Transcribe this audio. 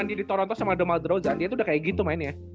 dari jaman di toronto sama the madrazan dia tuh udah kayak gitu mainnya